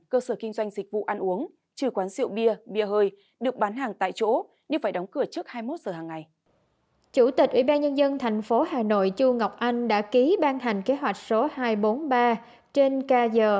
chủ tịch ủy ban nhân dân thành phố hà nội chu ngọc anh đã ký ban hành kế hoạch số hai trăm bốn mươi ba trên kg